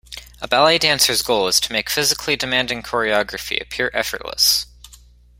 A ballet dancer's goal is to make physically demanding choreography appear effortless.